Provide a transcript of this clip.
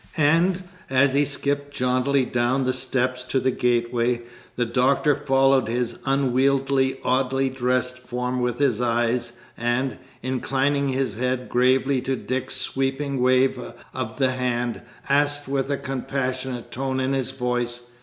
And, as he skipped jauntily down the steps to the gateway, the Doctor followed his unwieldy, oddly dressed form with his eyes, and, inclining his head gravely to Dick's sweeping wave of the hand, asked with a compassionate tone in his voice.